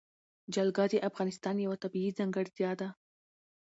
جلګه د افغانستان یوه طبیعي ځانګړتیا ده.